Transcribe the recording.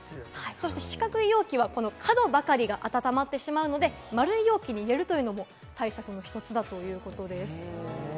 四角い容器はこの角ばかりが温まってしまうので、丸い容器に入れるというのも対策の１つだということです。